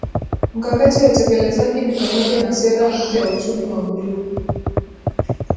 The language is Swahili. Mkakati wa Utekelezaji ni pamoja na Sera mpya ya Uchumi wa Buluu